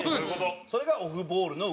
山崎：それがオフボールの動き。